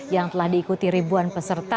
yang telah diikuti ribuan peserta